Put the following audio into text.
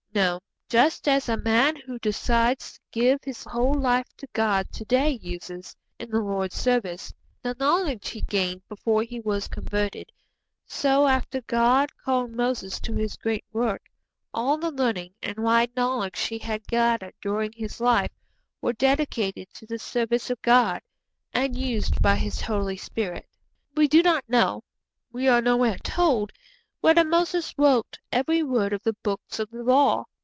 No; just as a man who decides to give his whole life to God to day uses, in the Lord's service, the knowledge he gained before he was converted; so, after God called Moses to his great work, all the learning and wide knowledge he had gathered during his life were dedicated to the service of God, and used by His Holy Spirit. We do not know we are nowhere told whether Moses wrote every word of the 'Books of the Law.'